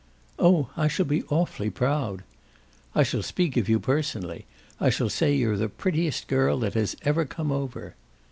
"Oh I shall be awfully proud." "I shall speak of you personally I shall say you're the prettiest girl that has ever come over."